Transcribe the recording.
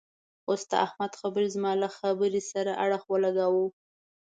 اوس د احمد خبرې زما له خبرې سره اړخ و لګاوو.